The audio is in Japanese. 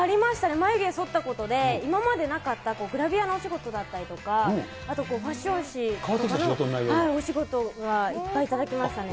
眉毛そったことで今までなかったグラビアのお仕事だったりとか、あとファッション誌とかのお仕事がいっぱい頂きましたね。